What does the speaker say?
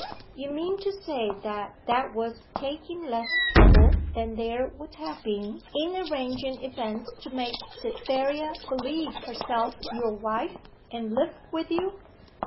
You mean to say that that was taking less trouble than there would have been in arranging events to make Cytherea believe herself your wife, and live with you?